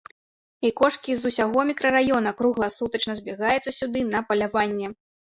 І кошкі з усяго мікрараёна кругласутачна збягаюцца сюды на паляванне.